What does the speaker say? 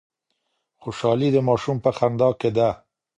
خوشحالي د ماشوم په خندا کي ده.